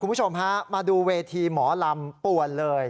คุณผู้ชมฮะมาดูเวทีหมอลำป่วนเลย